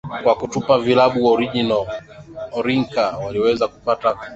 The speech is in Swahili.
kwa kutupa vilabu orinka walivyoweza kutupa kwa usahihi kutoka umbali wa mita mia moja